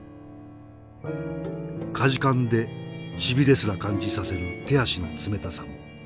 かじかんでしびれすら感じさせる手足の冷たさ。